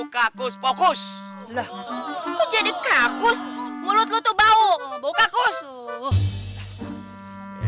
lah kok jadi kakus mulut lo tuh bau bau kakus